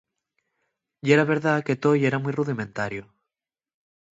Yera verdá que too yera mui rudimentario.